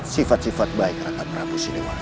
sifat sifat baik raka prabu siliwangi